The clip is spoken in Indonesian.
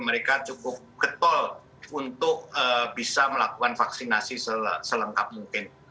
mereka cukup getol untuk bisa melakukan vaksinasi selengkap mungkin